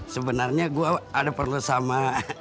sebenarnya gue ada perlu sama